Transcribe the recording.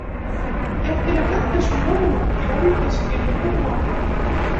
Әптеләхәт тә шунда ғына иғтибар итте шикелле ҡыҙға.